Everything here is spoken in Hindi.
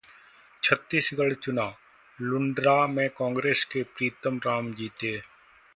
छत्तीसगढ़ चुनाव: लुंड्रा में कांग्रेस के प्रीतम राम जीते